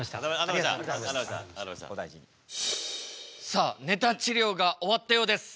さあネタ治りょうが終わったようです。